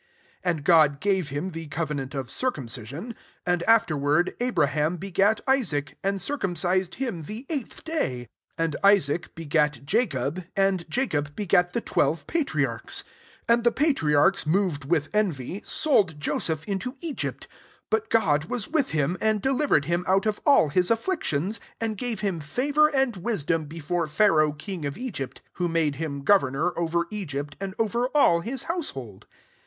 8 <« (And God gave him the covenant of circumcision : and afterward Abraham begat Isaac, and circumcised him the eighth day ; and Isaac begat Jacob, and Jacob begat the twelve patri archs. 9 And the patriarchs, moved with envy, sold Joseph into Egypt : 10 but God was with him, and delivered him out of all his afflictions, and gave him favour and wisdom before Pharaoh king of Egypt ; who made him governor over Egypt and over all his house hold.